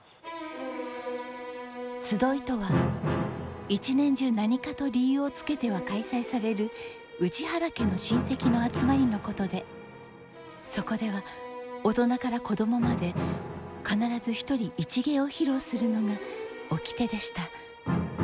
「集い」とは一年中何かと理由をつけては開催される内原家の親戚の集まりのことでそこでは大人から子どもまで必ず一人一芸を披露するのが掟でした。